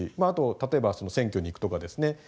あと例えば選挙に行くとかですね